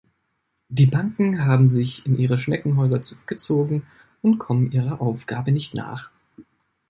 Die Banken haben sich in ihre Schneckenhäuser zurückgezogen und kommen ihrer Aufgabe nicht nach.